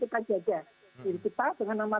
kita juga jaga jadi kita dengan nama